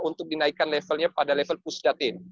untuk dinaikkan levelnya pada level pusdatin